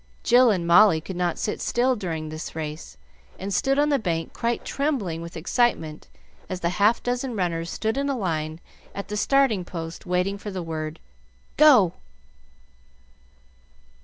Jill and Molly could not sit still during this race, and stood on the bank quite trembling with excitement as the half dozen runners stood in a line at the starting post waiting for the word "Go!"